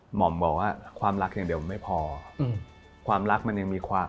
หมอมบอกว่าความรักอย่างเดียวไม่พอความรักมันยังมีความ